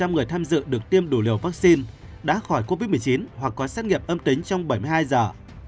một trăm linh người tham dự được tiêm đủ liều vaccine đã khỏi covid một mươi chín hoặc có xét nghiệm âm tính trong bảy mươi hai giờ